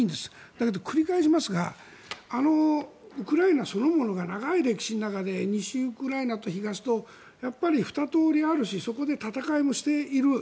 だけど繰り返しますがウクライナそのものが長い歴史の中で西ウクライナと東とやっぱり２通りあるしそこで戦いもしている。